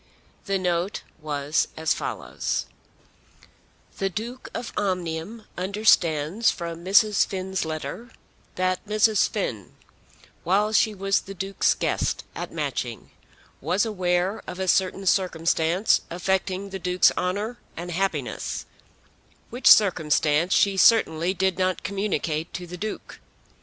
The note was as follows: The Duke of Omnium understands from Mrs. Finn's letter that Mrs. Finn, while she was the Duke's guest at Matching, was aware of a certain circumstance affecting the Duke's honour and happiness, which circumstance she certainly did not communicate to the Duke.